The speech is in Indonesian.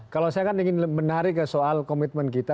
kalau saya kan ingin menarik ke soal komitmen kita